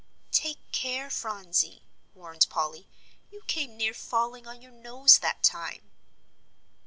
"Take care, Phronsie," warned Polly, "you came near falling on your nose that time."